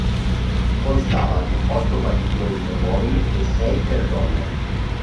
Constava di otto padiglioni per uomini e sei per donne.